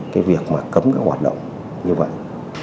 cái việc mà cấm các hoạt động như vậy